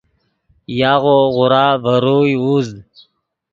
یاغو غورا ڤے روئے اوزد